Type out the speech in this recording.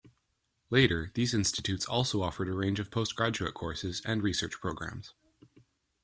Later, these institutes also offered a range of postgraduate courses and research programs.